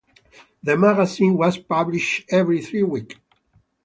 The magazine was published every three week.